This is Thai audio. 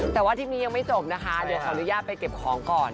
แต่ว่าที่นี่ยังไม่จบน่ะครับเดี๋ยวสามารถสร้อยจะไปเก็บของก่อน